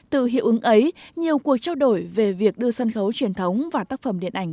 từ hiệu ứng ấy nhiều cuộc trao đổi về việc đưa sân khấu truyền thống và tác phẩm điện ảnh